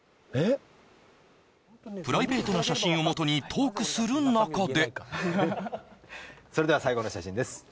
プライベートな写真をもとにトークする中でそれでは最後の写真です